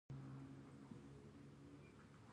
تر حد زیات د ارزښت وړ هغه سامان دی